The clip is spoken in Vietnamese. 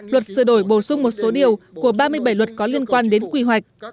luật sửa đổi bổ sung một số điều của ba mươi bảy luật có liên quan đến quy hoạch